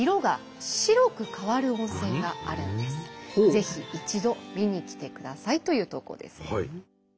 ぜひ一度見に来てくださいという投稿です。